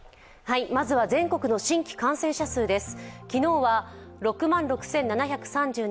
まずは全国の新規感染者数です。